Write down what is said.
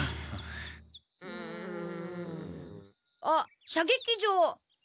うん。あっ射撃場。